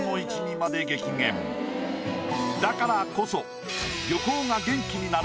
だからこそ。